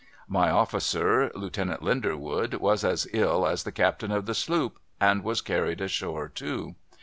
' My officer, Lieutenant Linderwood, was as ill as the captain of the sloop, and was carried ashore, too.